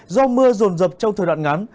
do mưa rồn rập trong thời đoạn ngắn